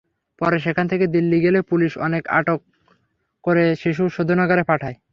পরে সেখান থেকে দিল্লি গেলে পুলিশ তাকে আটক করে শিশু শোধনাগারে পাঠায়।